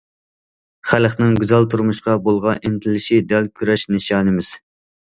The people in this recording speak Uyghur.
خەلقنىڭ گۈزەل تۇرمۇشقا بولغان ئىنتىلىشى دەل كۈرەش نىشانىمىز.